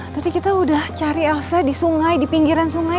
tapi kita udah cari angsa di sungai di pinggiran sungai